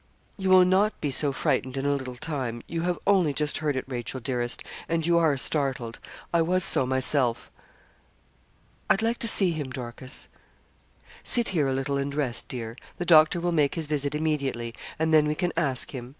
'You will not be so frightened in a little time. You have only just heard it, Rachel dearest, and you are startled. I was so myself.' 'I'd like to see him, Dorcas.' 'Sit here a little and rest, dear. The doctor will make his visit immediately, and then we can ask him.